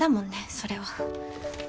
それは。